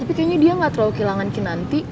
tapi kayaknya dia gak terlalu kehilangan kinanti